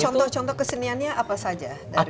contoh contoh keseniannya apa saja